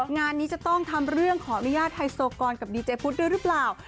งานนี้จะต้องทำเรื่องขออนุญาตไฮโซกรกับดีเจพุทธด้วยหรือเปล่า